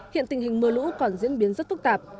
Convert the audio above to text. hiện tình hình mưa lũ còn diễn biến rất phức tạp